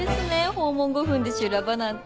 訪問５分で修羅場なんて。